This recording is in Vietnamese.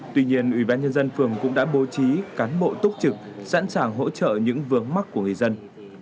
tuy nhiên ủy ban nhân dân phường cũng đã bố trí cán bộ túc trực sẵn sàng hỗ trợ những vướng mắt của người dân